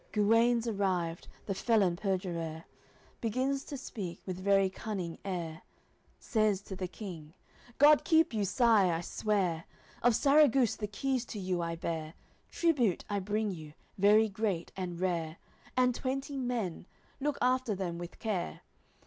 Guenes arrived, the felon perjurer, Begins to speak, with very cunning air, Says to the King: "God keep you, Sire, I swear! Of Sarraguce the keys to you I bear, Tribute I bring you, very great and rare, And twenty men; look after them with care.